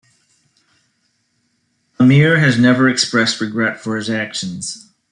Amir has never expressed regret for his actions.